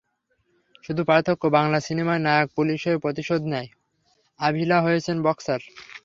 শুধু পার্থক্য, বাংলা সিনেমায় নায়ক পুলিশ হয়ে প্রতিশোধ নেয়, আভিলা হয়েছেন বক্সার।